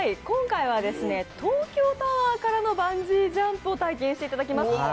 今回は東京タワーからのバンジージャンプを体験していただきます。